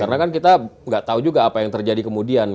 karena kita tidak tahu juga apa yang terjadi kemudian